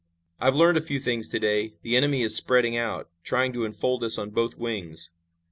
I've learned a few things to day. The enemy is spreading out, trying to enfold us on both wings."